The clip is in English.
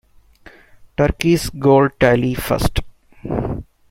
Turkey's goal tally first:"